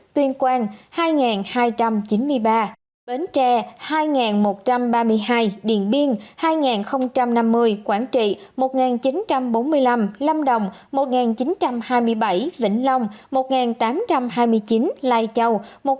tuyên quang hai hai trăm chín mươi ba bến tre hai một trăm ba mươi hai điền biên hai năm mươi quảng trị một chín trăm bốn mươi năm lâm đồng một chín trăm hai mươi bảy vĩnh long một tám trăm hai mươi chín lai châu một tám trăm linh